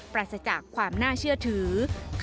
ปราศจากความน่าเชื่อถือ